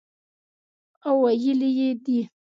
او ویلي یې دي